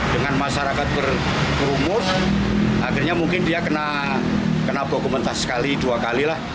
dengan masyarakat berumur akhirnya mungkin dia kena bau komentas sekali dua kali lah